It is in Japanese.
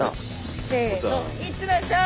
せの行ってらっしゃい！